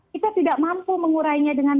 kita tidak mampu mengurainya dengan